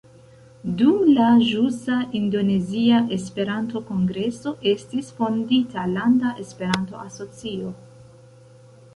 Dum la ĵusa Indonezia Esperanto-kongreso estis fondita landa Esperanto-asocio.